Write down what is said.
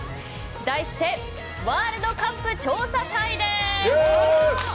題してワールドカップ調査隊です。